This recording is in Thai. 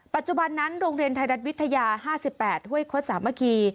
ปัจจุบันนั้นโรงเรียนไทยรัฐวิทยา๕๘ห้วยคดสามัคคี